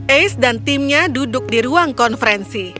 ace dan timnya duduk di ruang konferensi